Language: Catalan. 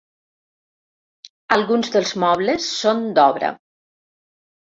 Alguns dels mobles són d'obra.